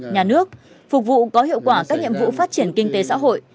nhà nước phục vụ có hiệu quả các nhiệm vụ phát triển kinh tế xã hội